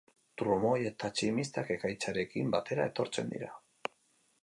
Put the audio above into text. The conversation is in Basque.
Trumoi eta tximistak ekaitzarekin batera etortzen dira.